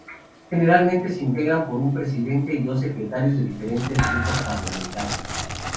Generalmente se integran por un presidente y dos secretarios de diferentes grupos parlamentarios.